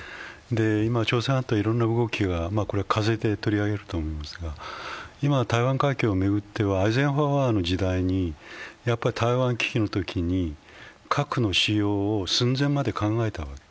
今、朝鮮半島、いろんな動きは、これは「風」で取り上げると思いますが今、台湾海峡を巡っては、アイゼンハワーの時代に台湾危機のとき核の使用を寸前まで考えた。